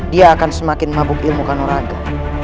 dia akan semakin mabuk ilmu kanoraga